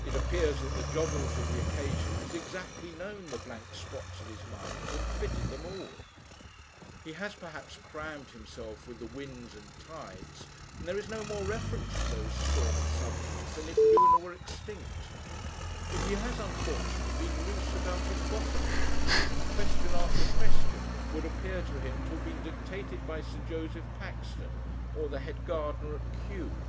It appears that the Jobbles of the occasion has exactly known the blank spots of his mind and fitted them all. He has perhaps crammed himself with the winds and tides, and there is no more reference to those stormy subjects than if Luna were extinct; but he has, unfortunately, been loose about his botany, and question after question would appear to him to have been dictated by Sir Joseph Paxton or the head gardener at Kew.